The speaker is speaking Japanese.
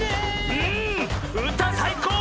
うんうたさいこう！